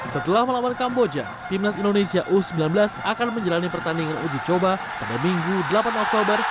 setelah melawan kamboja timnas indonesia u sembilan belas akan menjalani pertandingan uji coba pada minggu delapan oktober